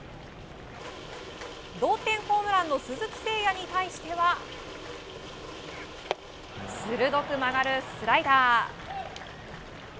同点ホームランの鈴木誠也に対しては鋭く曲がるスライダー。